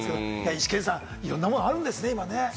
イシケンさん、いろんなものがあるんですね。